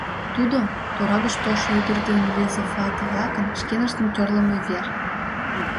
Тудо — тора гыч толшо ӱдыр ден рвезе вате-влакын шкеныштым тӧрлымӧ вер.